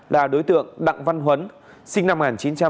là đối tượng đặng văn huấn sinh năm một nghìn chín trăm tám mươi